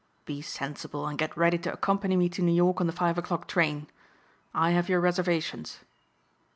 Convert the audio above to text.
Be sensible and get ready to accompany me to New York on the five o'clock train. I have your reservations."